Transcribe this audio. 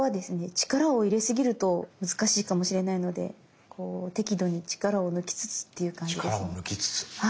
力を入れ過ぎると難しいかもしれないので適度に力を抜きつつっていう感じですね。